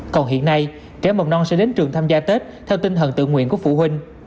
còn hiện nay trẻ mầm non sẽ đến trường tham gia tết theo tinh thần tự nguyện của phụ huynh